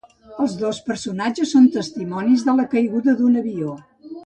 Els dos personatges són testimonis de la caiguda d'un avió.